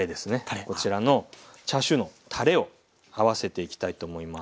こちらのチャーシューのたれを合わせていきたいと思います。